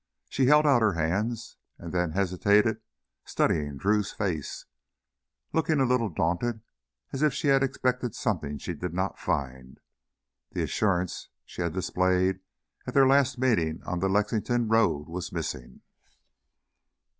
She held out her hands, and then hesitated, studying Drew's face, looking a little daunted, as if she had expected something she did not find. The assurance she had displayed at their last meeting on the Lexington road was missing.